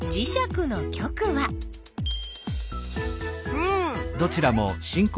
うん！